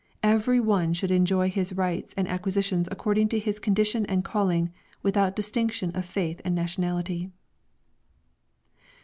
Every one should enjoy his rights and acquisitions according to his condition and calling without distinction of faith and nationality."